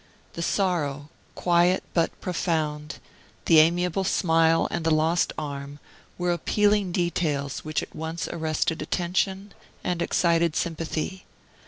The sorrow, quiet but profound, the amiable smile and the lost arm, were appealing details which at once arrested attention and excited sympathy.